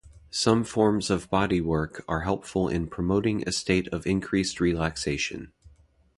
Some forms of bodywork are helpful in promoting a state of increased relaxation.